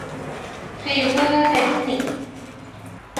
ทรีเวอร์ เรซนิค